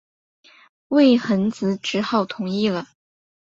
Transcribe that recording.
魏桓子只好同意了。